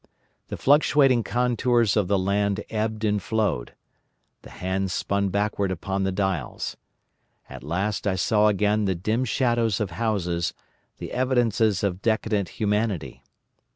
The fluctuating contours of the land ebbed and flowed. The hands spun backward upon the dials. At last I saw again the dim shadows of houses, the evidences of decadent humanity.